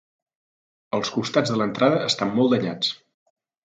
Els costats de l'entrada estan molt danyats.